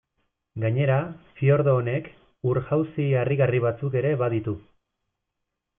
Gainera, fiordo honek, ur-jauzi harrigarri batzuk ere baditu.